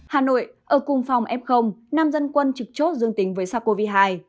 hà nội ở cung phòng f năm dân quân trực chốt dương tính với sars cov hai